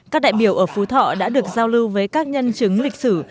các đại biểu ở phú thọ đã được giao lưu với các nhân chứng lịch sử